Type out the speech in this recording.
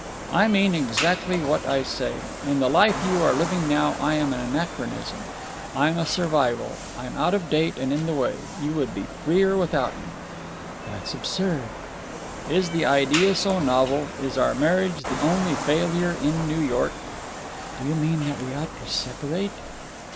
"I mean exactly what I say. In the life you are living now I am an anachronism. I'm a survival. I'm out of date and in the way. You would be freer without me." "That's absurd." "Is the idea so novel? Is our marriage the only failure in New York?" "Do you mean that we ought to separate?"